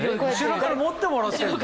後ろから持ってもらってるの？